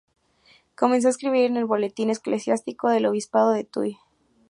Comenzó a escribir en el "Boletín Eclesiástico del Obispado de Tuy".